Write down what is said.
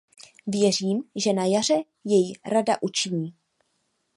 Věřím, že na jaře jej Rada učiní.